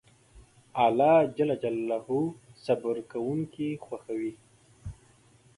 الله جل جلاله صبر کونکي خوښوي